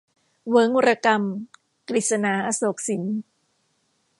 เวิ้งระกำ - กฤษณา อโศกสิน